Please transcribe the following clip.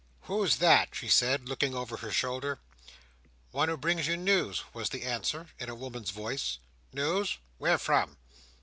"Who's that?" she said, looking over her shoulder. "One who brings you news, was the answer, in a woman's voice. "News? Where from?"